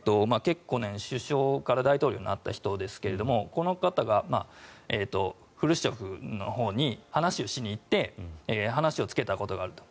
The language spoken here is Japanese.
首相から大統領になった人ですがこの方がフルシチョフのほうに話をしに行って話をつけたことがあると。